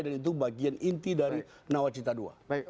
dan itu bagian inti dari nawacita ii